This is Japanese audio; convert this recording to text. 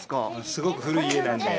すごく古い家なので。